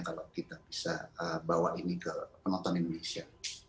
kalau kita bisa bawa ini ke penonton indonesia